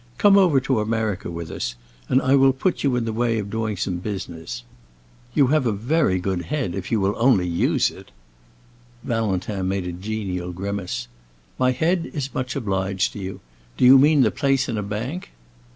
Come over to America with us, and I will put you in the way of doing some business. You have a very good head, if you will only use it." Valentin made a genial grimace. "My head is much obliged to you. Do you mean the place in a bank?"